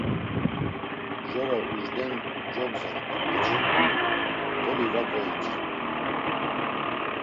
Mjora ujden cogzamt̆u ǩoçi, toli va gonintzert̆u.